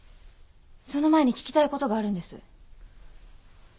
その前に聞きたい事があるんです。